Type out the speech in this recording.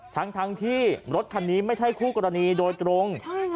ทั้งที่รถคันนี้ไม่ใช่คู่กรณีโดยตรง